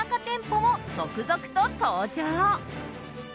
店舗も続々と登場。